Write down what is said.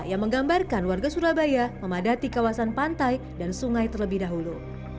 yang menggambarkan warga surabaya memadati kawasan pantai dan sungai terlebih dahulu